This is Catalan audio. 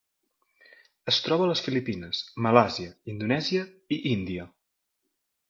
Es troba a les Filipines, Malàisia, Indonèsia i Índia.